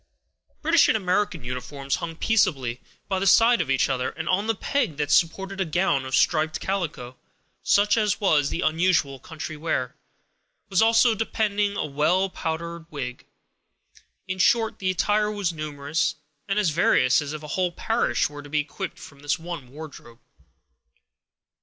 British and American uniforms hung peaceably by the side of each other; and on the peg that supported a gown of striped calico, such as was the usual country wear, was also depending a well powdered wig: in short, the attire was numerous and as various as if a whole parish were to be equipped from this one wardrobe.